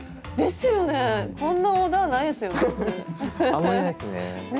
あんまりないっすね。